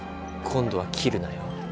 今度は斬るなよ。